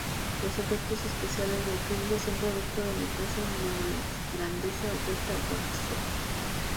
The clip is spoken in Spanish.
Los efectos especiales del filme son producto de la empresa neozelandesa Weta Workshop.